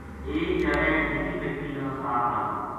ایک دھیاڑے نکی بیٹکی نا تاپ آ گیو